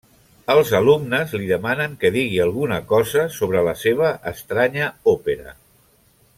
Els alumnes li demanen que digui alguna cosa sobre la seva estranya òpera.